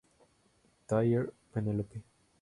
Thayer, Penelope.